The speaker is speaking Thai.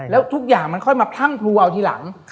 แล้วทุกอย่างมันค่อยมาพรั่งพลัวทีหลัง